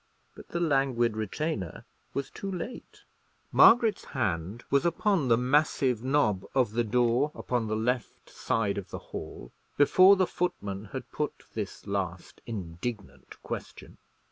But the languid retainer was too late. Margaret's hand was upon the massive knob of the door upon the left side of the hall before the footman had put this last indignant question.